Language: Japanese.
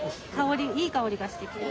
いい香りがしてきた。